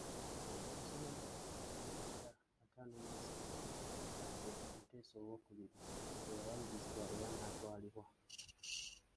Museenene wa lukumi mu lwenda ataano mu esatu, Bbaffe, Muteesa owookubiri, lwe yawalirizibwa era n'atwalibwa.